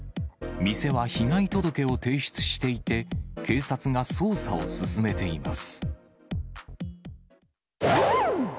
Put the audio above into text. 店は被害届を提出していて、警察が捜査を進めています。